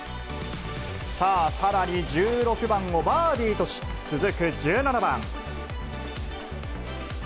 さあ、さらに１６番をバーディーとし、続く１７番。